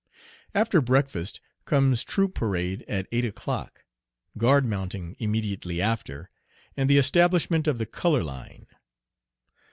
After breakfast comes troop parade at eight o'clock, guard mounting immediately after, and the establishment of the "color line."